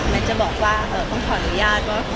มันจะบอกว่าเอ่อต้องขออนุญาต